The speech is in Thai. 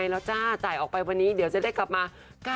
แล้วจ้าจ่ายออกไปวันนี้เดี๋ยวจะได้กลับมา